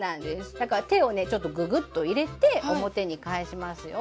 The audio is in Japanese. だから手をねちょっとググッと入れて表に返しますよ。